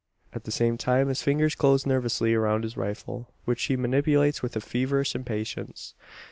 At the same time, his fingers close nervously around his rifle, which he manipulates with a feverish impatience.